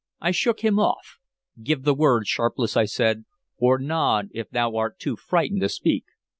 I shook him off. "Give the word, Sharpless," I said, "or nod, if thou art too frightened to speak.